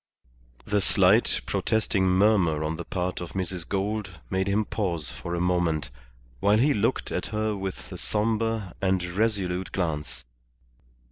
The slight, protesting murmur on the part of Mrs. Gould made him pause for a moment, while he looked at her with a sombre and resolute glance.